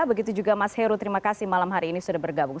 begitu juga mas heru terima kasih malam hari ini sudah bergabung